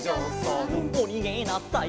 「おにげなさい」